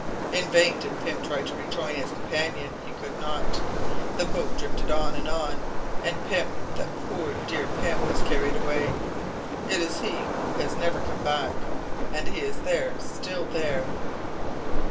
In vain did Pym try to rejoin his companion, he could not; the boat drifted on and on, and Pym, that poor dear Pym, was carried away. It is he who has never come back, and he is there, still there!"